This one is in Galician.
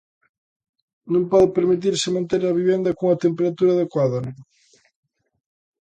Non pode permitirse manter a vivenda cunha temperatura adecuada.